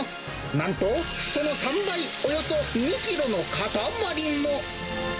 なんと、その３倍、およそ２キロの塊も。